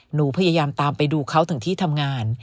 หนูพยายามตามไปดูเขาถึงที่ทำงาน